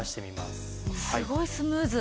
すごいスムーズ。